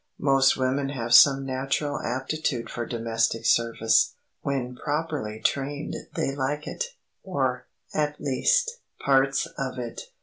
Most women have some natural aptitude for domestic service. When properly trained they like it, or, at least, parts of it.